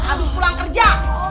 aduh pulang kerja